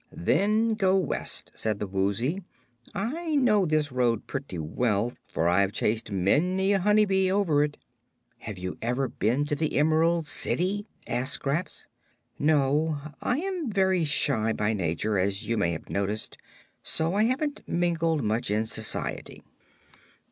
"Then go west," said the Woozy. "I know this road pretty well, for I've chased many a honey bee over it." "Have you ever been to the Emerald City?" asked Scraps. "No. I am very shy by nature, as you may have noticed, so I haven't mingled much in society."